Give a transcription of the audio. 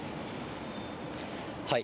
はい。